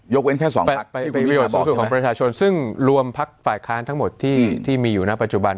ยกเว้นแค่๒ภักดิ์ที่คุณพิธีภาพบอกใช่ไหม